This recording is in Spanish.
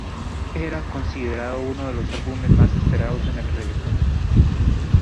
Era considerado uno de los álbumes más esperados en el Reggaeton.